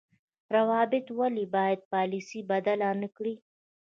روابط ولې باید پالیسي بدله نکړي؟